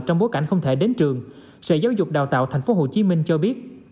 trong bối cảnh không thể đến trường sở giáo dục đào tạo tp hcm cho biết